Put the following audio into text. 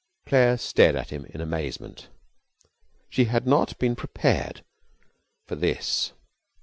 Claire stared at him in amazement. She had not been prepared for this.